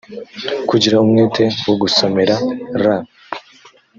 kugira umwete wo gusomera r